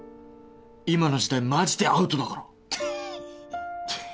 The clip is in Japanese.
今の時代マジでアウトだから